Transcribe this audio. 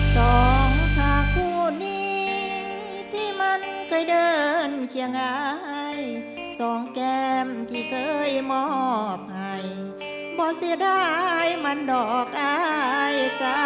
โปรดติดตามตอนต่อไป